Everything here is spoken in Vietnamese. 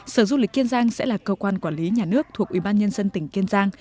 sở du lịch kiên giang sẽ là cơ quan quản lý nhà nước thuộc ubnd tỉnh kiên giang